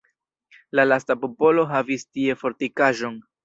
La lasta popolo havis tie fortikaĵon.